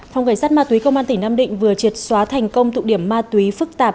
phòng cảnh sát ma túy công an tỉnh nam định vừa triệt xóa thành công tụ điểm ma túy phức tạp